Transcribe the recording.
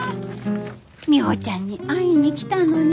ミホちゃんに会いに来たのに。